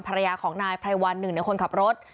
ภรรยาของนายไพรวันหนึ่งในคนขับรถ